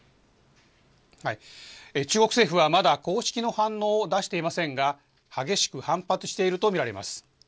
中国政府はまだ公式の反応を出していませんが、激しく反発していると見られます。